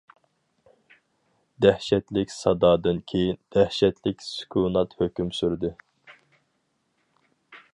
دەھشەتلىك سادادىن كېيىن دەھشەتلىك سۈكۈنات ھۆكۈم سۈردى.